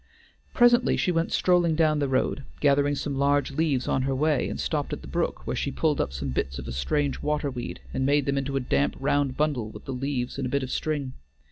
Presently she went strolling down the road, gathering some large leaves on her way, and stopped at the brook, where she pulled up some bits of a strange water weed, and made them into a damp, round bundle with the leaves and a bit of string.